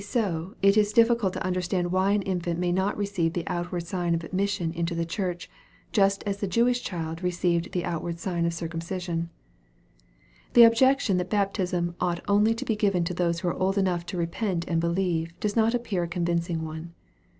205 is difficult to understand \*hy an infant may not receive the outward sign of admission into the church, just as the Jewish child received the outward sign of circumcision. The objection that baptism ought only to be given to those who are old enough to repent and believe, does not appear a convincing one.